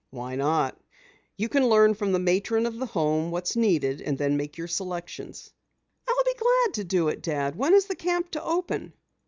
"Why not? You can learn from the matron of the Home what is needed, and then make your selection." "I'll be glad to do it, Dad. When is the camp to open?"